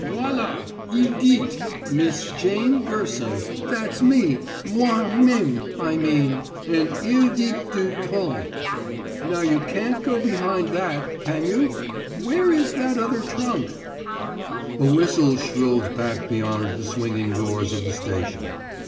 "Voilà! Il dit 'Miss Jane Gerson'; that's me moi meme, I mean. And il dit 'deux troncs'; now you can't go behind that, can you? Where is that other trunk?" A whistle shrilled back beyond the swinging doors of the station.